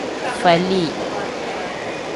Falii.